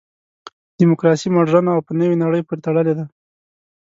دیموکراسي مډرنه او په نوې نړۍ پورې تړلې ده.